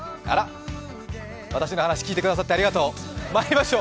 あら、私の話、聴いてくださってありがとう。